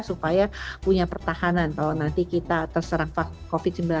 supaya punya pertahanan kalau nanti kita terserang covid sembilan belas